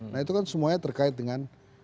nah itu kan semuanya terkait dengan